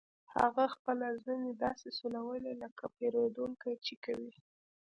هغه خپله زنې داسې سولوله لکه پیرودونکي چې کوي